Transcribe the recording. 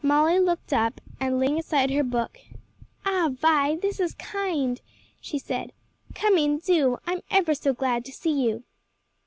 Molly looked up, and laying aside her book, "Ah, Vi, this is kind!" she said. "Come in, do; I'm ever so glad to see you."